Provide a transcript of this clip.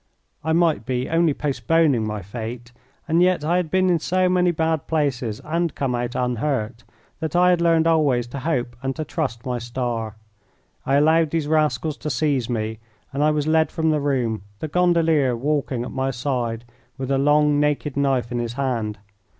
I might be only postponing my fate, and yet I had been in so many bad places and come out unhurt that I had learned always to hope and to trust my star. I allowed these rascals to seize me, and I was led from the room, the gondolier walking at my side with a long naked knife in his hand.